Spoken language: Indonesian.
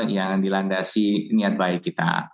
yang dilandasi niat baik kita